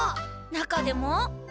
中でも？